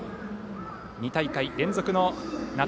２大会連続の夏